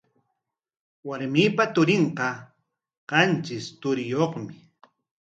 Warmiipa turinqa qantris churiyuqmi.